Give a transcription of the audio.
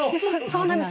そうなんです。